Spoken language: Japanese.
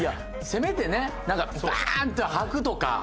せめてねなんかバーン！と吐くとか。